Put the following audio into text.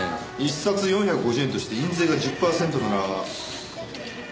１冊４５０円として印税が１０パーセントなら。